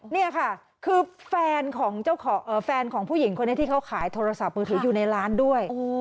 เนี่ยค่ะคือแฟนของผู้หญิงคนนี้ที่เขาขายโทรศัพท์มือถืออยู่ในร้านด้วย